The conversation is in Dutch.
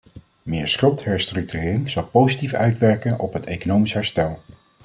Meer schuldherstructurering zal positief uitwerken op het economisch herstel.